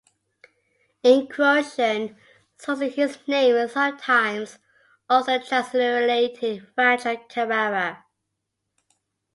In Croatian sources his name is sometimes also transliterated Franjo Carrara.